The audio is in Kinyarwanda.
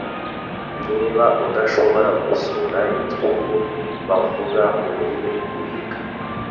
Niba udashobora gusura igihugu bavuga ururimi wiga,